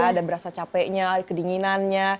ada berasa capeknya ada kedinginannya